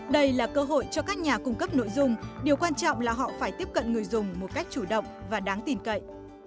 đây là cơ hội cho các nhà cung cấp nội dung điều quan trọng là họ phải tiếp cận người dùng một cách chủ động và đáng tin cậy